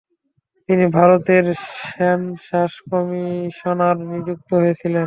তিনি ভারতের census commissioner নিযুক্ত হয়েছিলেন।